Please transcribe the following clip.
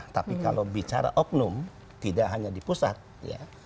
tapi kalau bicara oknum tidak hanya di pusat ya